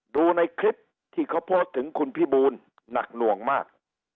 ดูในคลิปที่เขาโพสต์ถึงคุณพี่บูลหนักหน่วงมาก